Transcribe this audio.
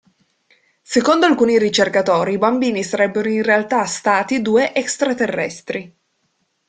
Secondo alcuni ricercatori i bambini sarebbero in realtà stati due extraterrestri.